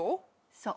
そう。